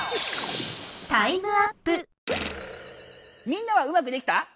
みんなはうまくできた？